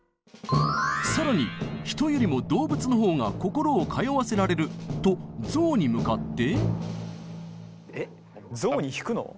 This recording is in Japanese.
更に「人よりも動物のほうが心を通わせられる」と象に向かって。